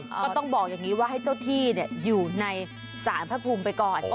ก็ต้องบอกอย่างนี้ว่าให้เจ้าที่อยู่ในสารพระภูมิไปก่อน